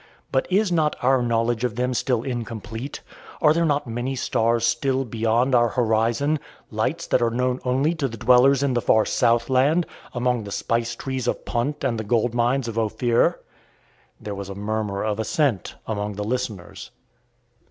But is not our knowledge of them still incomplete? Are there not many stars still beyond our horizon lights that are known only to the dwellers in the far south land, among the spice trees of Punt and the gold mines of Ophir?" There was a murmur of assent among the listeners.